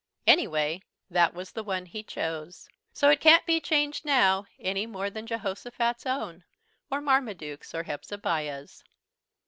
Anyway, that was the one he chose. So it can't be changed now, any more than Jehosophat's own, or Marmaduke's, or Hepzebiah's.